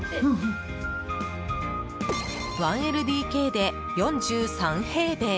１ＬＤＫで４３平米。